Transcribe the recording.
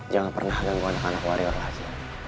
jangan pernah ganggu anak anak warior rahasia